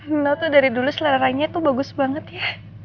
nino tuh dari dulu selera leranya tuh bagus banget ya